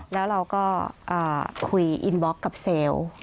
แล้วเราก็คุยอินบล็อกกับเซลล์